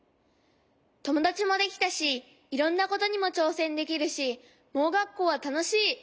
ともだちもできたしいろんなことにもちょうせんできるし盲学校はたのしい！